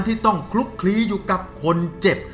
ที่ต้องคลุกคลีอยู่กับคนเจ็บ